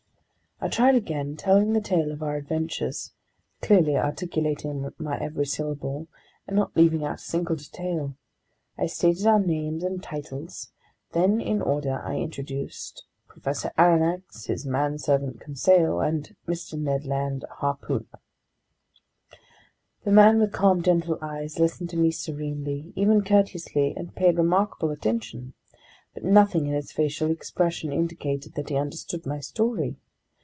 I tried again, telling the tale of our adventures, clearly articulating my every syllable, and not leaving out a single detail. I stated our names and titles; then, in order, I introduced Professor Aronnax, his manservant Conseil, and Mr. Ned Land, harpooner. The man with calm, gentle eyes listened to me serenely, even courteously, and paid remarkable attention. But nothing in his facial expression indicated that he understood my story.